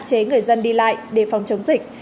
chế người dân đi lại để phòng chống dịch